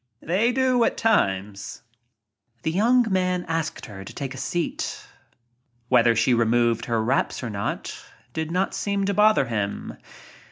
They do at times." The young man asked her to take a seat. Whether she removed her wraps or not did not seem to bother him.